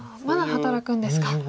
まだ働くんですか。